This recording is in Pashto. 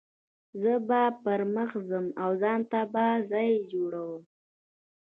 زه به پر مخ ځم او ځان ته به ځای جوړوم.